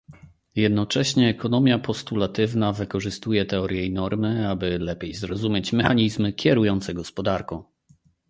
Jednocześnie ekonomia postulatywna wykorzystuje teorie i normy, aby lepiej zrozumieć mechanizmy kierujące gospodarką.